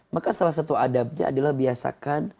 maka salah satu adabnya adalah biasakan